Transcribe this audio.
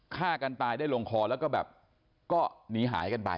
ฆ่ากันตายได้ลงคอแล้วก็แบบก็หนีหายกันไป